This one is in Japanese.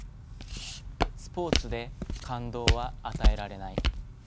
「スポーツで感動は与えられない」。